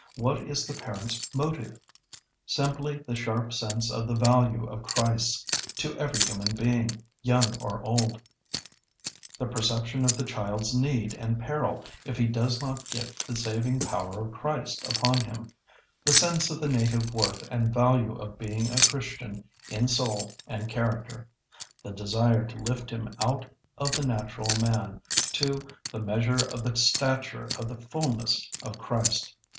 What is the parent's motive?... Simply the sharp sense of the value of Christ to every human being, young or old the perception of the child's need and peril if he does not get the saving power of Christ upon him; the sense of the native worth and value of being a Christian in soul and character; the desire to lift him out of 'the natural man' to 'the measure of the stature of the fulness of Christ.